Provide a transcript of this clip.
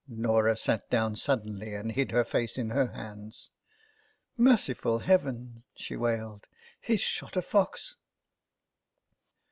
Norah sat down suddenly, and hid her face in her hands. " Merciful Heaven !" she wailed ;" he's shot a fox